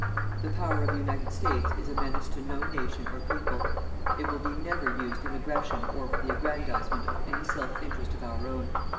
The power of the United States is a menace to no nation or people. It will be never used in aggression or for the aggrandizement of any selfish interest of our own.